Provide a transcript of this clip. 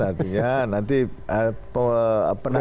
nanti ya nanti pedagangannya